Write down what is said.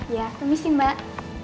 ya kemisi mbak